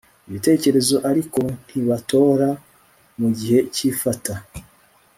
ibitekerezo ariko ntibatora mu gihe cy'ifata